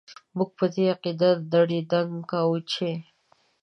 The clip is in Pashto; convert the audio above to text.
موږ په دې عقيده دړي دنګ کاوو چې ...